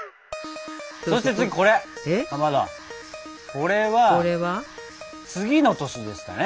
これは次の年でしたね。